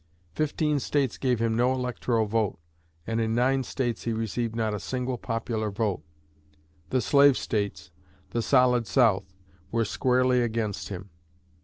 Fifteen States gave him no electoral vote, and in nine States' he received not a single popular vote. The slave States "the Solid South" were squarely against him.